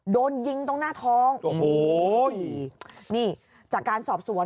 โดนยิงตรงหน้าท้องโอ้โหนี่จากการสอบสวน